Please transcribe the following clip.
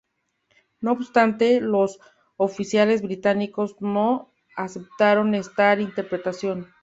No obstante, los oficiales británicos no aceptaron esta interpretación.